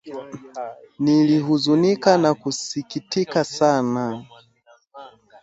Nilihuzunika na kusikitika sana